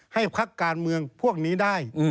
พักการเมืองพวกนี้ได้